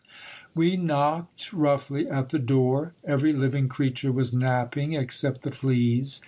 We knocked roughly at the door. Every living creature was napping, except the fleas.